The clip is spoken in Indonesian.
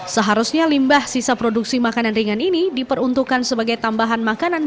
seharusnya limbah sisa produksi makanan ringan ini diperuntukkan sebagai tambahan makanan